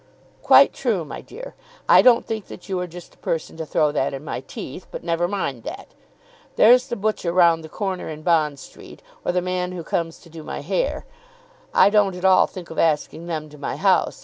"Quite true, my dear. I don't think that you are just the person to throw that in my teeth; but never mind that. There's the butcher round the corner in Bond Street, or the man who comes to do my hair. I don't at all think of asking them to my house.